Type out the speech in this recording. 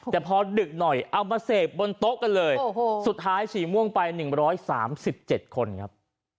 แต่พอดึกหน่อยเอามาเสพบนโต๊ะกันเลยสุดท้ายฉี่ม่วงไป๑๓๗คนครับ